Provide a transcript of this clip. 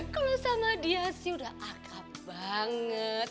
kalo sama dia sih udah agak banget